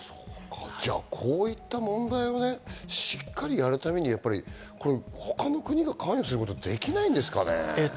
こういった問題をしっかりやるために、他の国が関与することはできないんですかね。